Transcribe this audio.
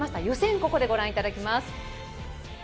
ここでご覧いただきます。